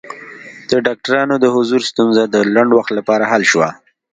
د ډاکټرانو د حضور ستونزه د لنډ وخت لپاره حل شوه.